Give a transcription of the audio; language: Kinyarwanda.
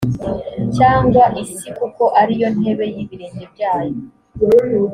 cyangwa isi kuko ari yo ntebe y ibirenge byayo